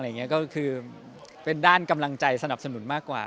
ก็คือเป็นด้านกำลังใจสนับสนุนมากกว่า